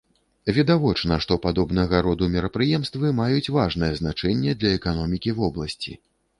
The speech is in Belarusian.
Відавочна, што падобнага роду мерапрыемствы маюць важнае значэнне для эканомікі вобласці.